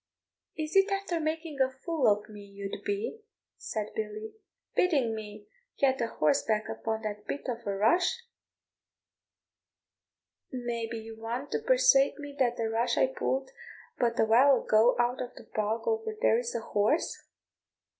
"Is it after making a fool of me you'd be," said Billy, "bidding me get a horseback upon that bit of a rush? May be you want to persuade me that the rush I pulled but a while ago out of the bog over there is a horse?"